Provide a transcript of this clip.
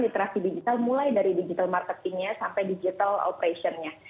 lalu pemahaman literasi digital mulai dari digital marketingnya sampai digital operationnya